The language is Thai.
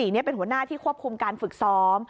นี่เป็นหัวหน้าที่ควบคุมการฝึกซ้อม